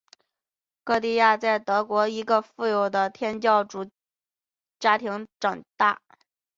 歌地亚在德国的一个富有的天主教家庭长大。